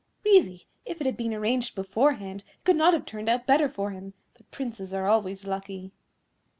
Really, if it had been arranged beforehand, it could not have turned out better for him; but Princes are always lucky."